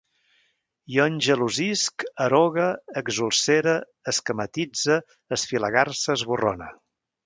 Jo engelosisc, erogue, exulcere, esquematitze, esfilagarse, esborrone